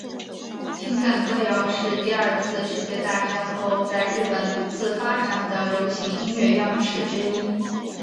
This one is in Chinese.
情感歌谣是第二次世界大战后在日本独自发展的流行音乐样式之一。